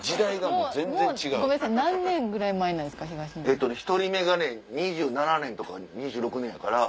えっとね１人目がね２７年とか２６年やから。